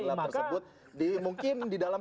tersebut mungkin di dalam